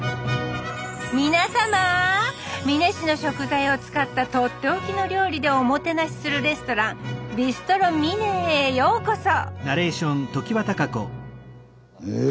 みなさま美祢市の食材を使った取って置きの料理でおもてなしするレストラン「ビストロ・ミネ」へようこそえ